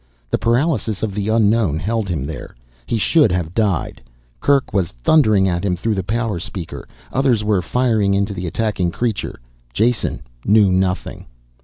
The paralysis of the unknown held him there. He should have died. Kerk was thundering at him through the power speaker, others were firing into the attacking creature. Jason knew nothing.